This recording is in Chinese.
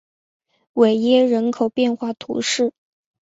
韦耶人口变化图示